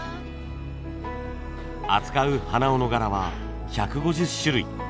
扱う鼻緒の柄は１５０種類。